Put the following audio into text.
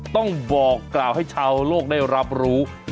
ต้องบอกกล่าวให้ชาวโลกได้รับรู้